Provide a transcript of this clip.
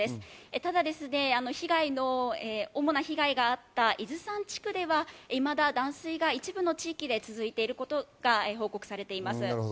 ただ、主な被害があった伊豆山地区ではいまだ断水が一部の地域で続いているといったことが報告されています。